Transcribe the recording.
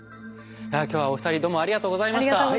今日はお二人どうもありがとうございました。